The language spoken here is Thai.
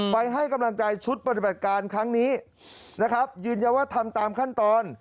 ให้กำลังใจชุดปฏิบัติการครั้งนี้นะครับยืนยันว่าทำตามขั้นตอน